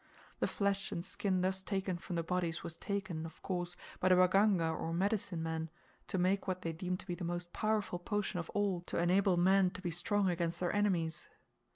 The flesh and skin thus taken from the bodies was taken, of course, by the waganga or medicine men, to make what they deem to be the most powerful potion of all to enable men to be strong against their enemies.